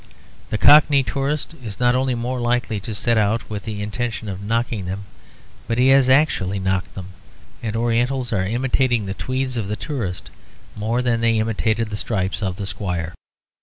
The cockney tourist is not only more likely to set out with the intention of knocking them, but he has actually knocked them; and Orientals are imitating the tweeds of the tourist more than they imitated the stripes of the squire.